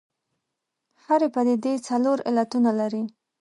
هرې پدیدې څلور علتونه لري.